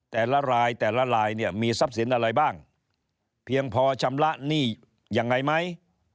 แต่ละรายแต่ละลายเนี่ยมีทรัพย์สินอะไรบ้างเพียงพอชำระหนี้ยังไงไหม